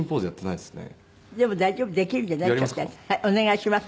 お願いします。